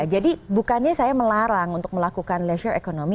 jadi bukannya saya melarang untuk melakukan leisure economy